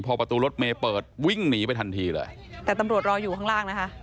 พอประตูรถเมย์เปิดวิ่งหนีไปทันทีเลยแต่ตำรวจรออยู่ข้างล่างนะคะ